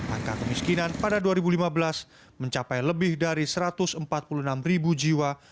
angka kemiskinan pada dua ribu lima belas mencapai lebih dari satu ratus empat puluh enam ribu jiwa